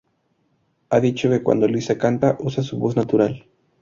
Ha dicho que cuando Lisa canta, usa su voz natural.